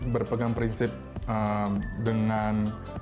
berpegang prinsip dengan